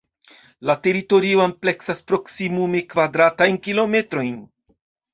La teritorio ampleksas proksimume kvadratajn kilometrojn.